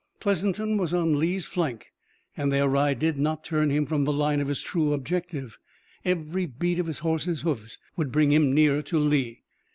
Pleasanton was on Lee's flank and their ride did not turn him from the line of his true objective. Every beat of his horse's hoofs would bring him nearer to Lee.